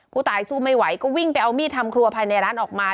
ผู้ตายสู้ไม่ไหวก็วิ่งไปเอามีดทำครัวภายในร้านออกมา